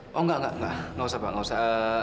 oh enggak enggak enggak usah pak nggak usah